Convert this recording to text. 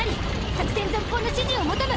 作戦続行の指示を求む。